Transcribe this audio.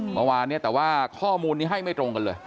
เมื่อวานเนี่ยแต่ว่าข้อมูลนี้ให้ไม่ตรงกันเลย